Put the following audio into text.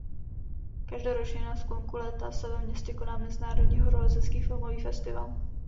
Každoročně na sklonku léta se ve městě koná Mezinárodní horolezecký filmový festival.